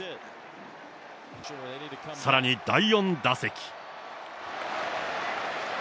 さらに第４打席。